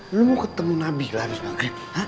lu mau ketemu nabil abis maghrib